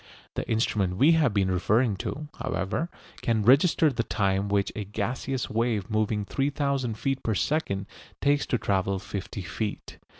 The instrument we have been referring to, however, can register the time which a gaseous wave moving 3000 feet per second takes to travel fifty feet.